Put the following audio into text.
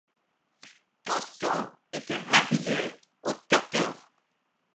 Koston était mariée au Dr.